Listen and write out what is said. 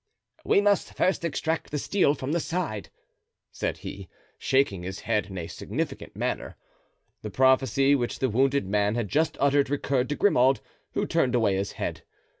"We must first extract the steel from the side," said he, shaking his head in a significant manner. The prophecy which the wounded man had just uttered recurred to Grimaud, who turned away his head.